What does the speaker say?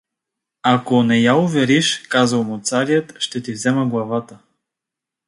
— Ако не я увардиш — казал му царят, — ще ти взема главата.